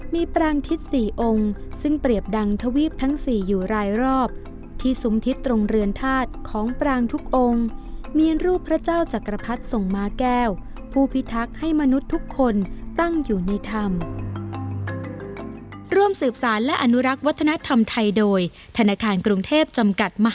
มีปรางทิศ๔องค์ซึ่งเปรียบดังทวีปทั้ง๔อยู่รายรอบที่ซุ้มทิศตรงเรือนธาตุของปรางทุกองค์มีรูปพระเจ้าจักรพรรดิส่งม้าแก้วผู้พิทักษ์ให้มนุษย์ทุกคนตั้งอยู่ในธรรม